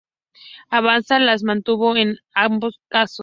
Avanza las mantuvo en ambos casos.